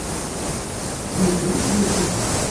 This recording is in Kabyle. Ssenger-iten, a Sidi.